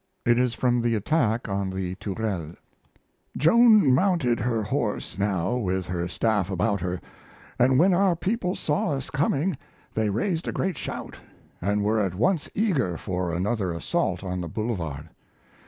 It is from the attack on the Tourelles: Joan mounted her horse now with her staff about her, and when our people saw us coming they raised a great shout, and were at once eager for another assault on the boulevard.